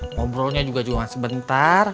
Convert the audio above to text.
ngobrolnya juga cuma sebentar